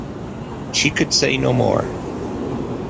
She could say no more.